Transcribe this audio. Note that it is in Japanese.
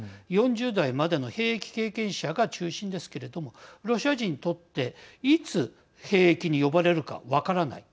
４０代までの兵役経験者が中心ですけれどもロシア人にとっていつ兵役に呼ばれるか分からない。